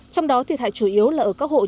trong đó thiệt hại chủ yếu là ở các hộ